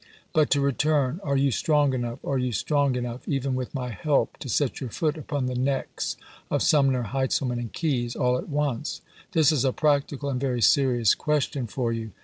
But to return : Are you strong enough — are you strong enough, even with my help — to set your foot upon the necks of Sumner, Heintzelman, and Keyes all at once? MocieUau, This is a practical and very serious question for you.